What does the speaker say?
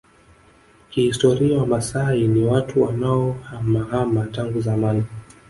Kihistoria Wamaasai ni watu wanaohamahama tangu zamani